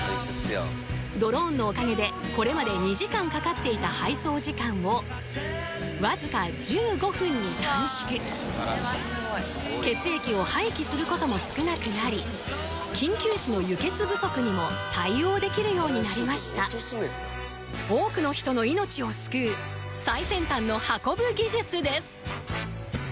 ドローンのおかげでこれまで２時間かかっていた配送時間をわずか１５分に短縮血液を廃棄することも少なくなり緊急時の輸血不足にも対応できるようになりました多くの人の命を救う最先端の運ぶ技術です